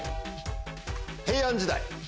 平安時代。